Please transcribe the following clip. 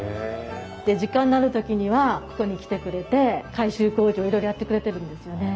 で時間のある時にはここに来てくれて改修工事をいろいろやってくれてるんですよね。